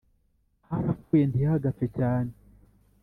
harapfuye ntihagapfe cyane